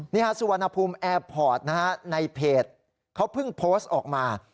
สุวรรณภูมิแอร์พอร์ตนะฮะในเพจเขาเพิ่งโพสต์ออกมา